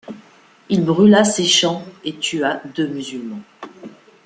Il brûla ces champs et tua deux musulmans.